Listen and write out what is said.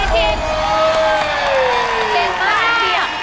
เต็มมาก